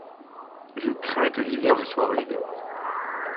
Je crains que l’hiver ne soit rude.